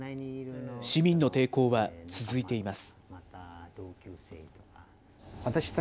市民の抵抗は続いています。